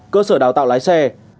cơ sở đào tạo lái xe